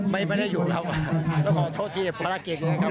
ไม่ได้อยู่ครับต้องขอโทษทีภารกิจเองครับ